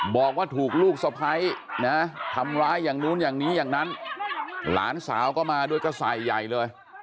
บอกว่าถูกลูกสะพ้ายนะทำร้ายอย่างนู้นอย่างนี้อย่างนั้นหลานสาวก็มาด้วยก็ใส่ใหญ่เลย